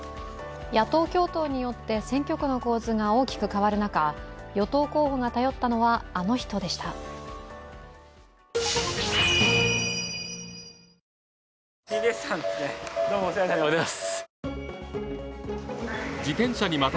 野党共闘によって選挙区の構図が大きく変わる中、与党候補が頼ったのはあの人でした。